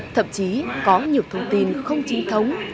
thậm chí có nhiều thông tin không chính thống